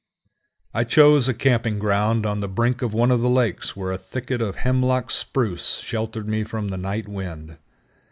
I chose a camping ground on the brink of one of the lakes where a thicket of Hemlock Spruce sheltered me from the night wind.